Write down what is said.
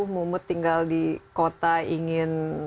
mume tinggal di kota ingin